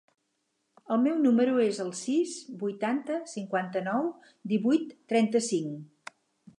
El meu número es el sis, vuitanta, cinquanta-nou, divuit, trenta-cinc.